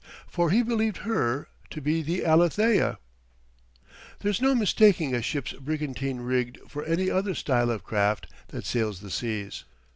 For he believed her to be the Alethea. There's no mistaking a ship brigantine rigged for any other style of craft that sails the seas.